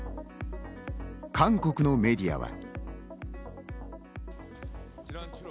韓国のメディアは。